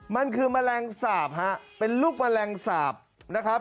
มันคือแมลงสาปฮะเป็นลูกแมลงสาปนะครับ